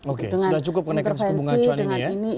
oke sudah cukup menaikan suku bunga acuan ini ya